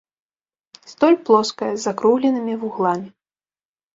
Столь плоская, з закругленымі вугламі.